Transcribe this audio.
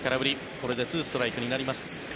これで２ストライクになります。